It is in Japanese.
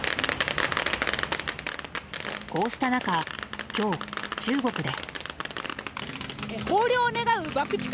こうした中今日、中国で。